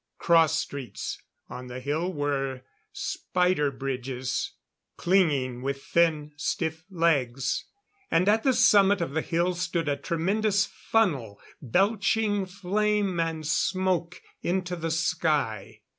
Cross streets on the hill were spider bridges, clinging with thin, stiff legs. And at the summit of the hill stood a tremendous funnel belching flame and smoke into the sky.